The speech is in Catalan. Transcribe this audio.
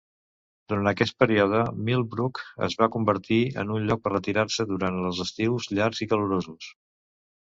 Durant aquest període, Millbrook es va convertir en un lloc per retirar-se durant els estius llargs i calorosos.